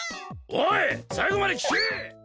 おい最後まで聞け！